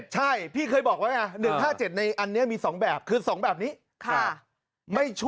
ใช่พี่เคยบอกไว้ไง๑๕๗ในอันนี้มี๒แบบคือ๒แบบนี้